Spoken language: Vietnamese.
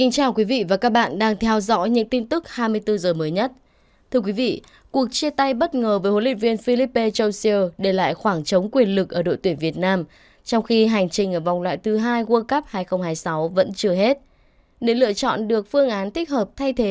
các bạn hãy đăng ký kênh để ủng hộ kênh của chúng mình nhé